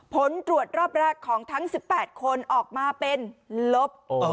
ผลตรวจรอบแรกของทั้ง๑๘คนออกมาเป็นลบ